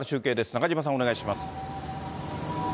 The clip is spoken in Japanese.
中島さん、お願いします。